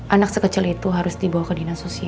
anak sekecil itu harus dibawa ke dinas sosial